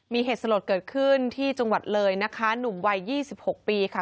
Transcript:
มีเหตุสลดเกิดขึ้นที่จังหวัดเลยนะคะหนุ่มวัย๒๖ปีค่ะ